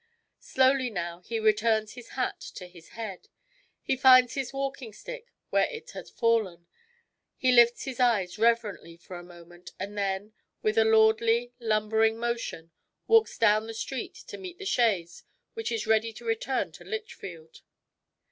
Slowly now he returns his hat to his head. He finds his walking stick where it had fallen. He lifts his eyes reverently for a moment, and then, with a lordly, lumbering motion, walks down the street to meet the chaise which is ready to return to Lichfield.